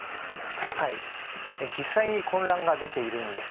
実際に混乱が出ているんです。